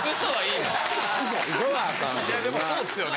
いやまあでもそうですよね。